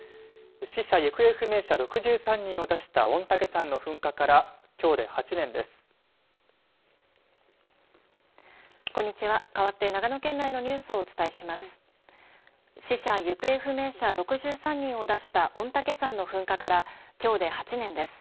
死者、行方不明者６３人を出した御嶽山の噴火からきょうで８年です。